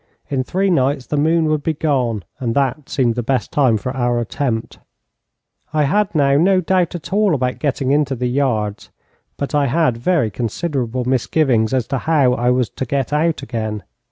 In three nights the moon would be gone, and that seemed the best time for our attempt. I had now no doubt at all about getting into the yards, but I had very considerable misgivings as to how I was to get out again.